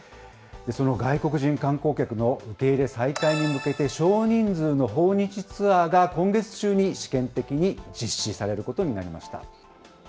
その外国人観光客の受け入れ再開に向けて、少人数の訪日ツアーが、今月中に試験的に実施されることになりました。